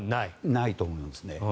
ないと思いますね。